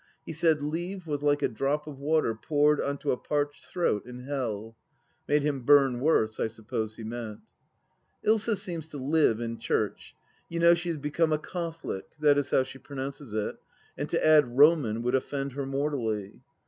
He said Leave was like a drop of water poured on to a parched throat in Hell. Made him burn worse, I suppose he meant. ... Ilsa seems to live in church — ^you know she has become a Cartholic — that is how she pronounces it, and to add " Roman " would offend her mortally.